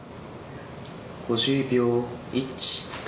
５０秒、１、２。